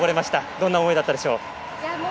どんな思いだったでしょう？